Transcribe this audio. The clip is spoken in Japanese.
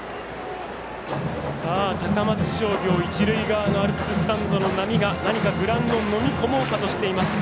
高松商業、一塁側のアルプススタンドの波が何かグラウンドを飲み込もうとしています。